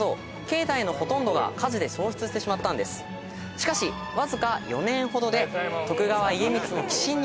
しかしわずか４年ほどで。